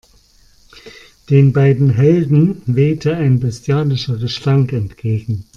Den beiden Helden wehte ein bestialischer Gestank entgegen.